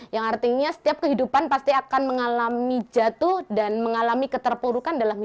yang artinya setiap kehidupan pasti akan mengalami jatuh